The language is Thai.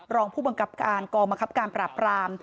รองผู้บังคับการกองบังคับการปราบราม